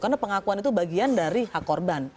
karena pengakuan itu bagian dari hak korban